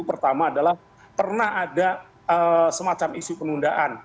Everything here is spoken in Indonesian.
pertama adalah pernah ada semacam isu penundaan